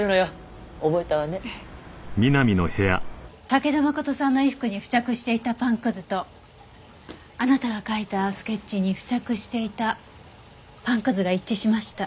武田誠さんの衣服に付着していたパンくずとあなたが描いたスケッチに付着していたパンくずが一致しました。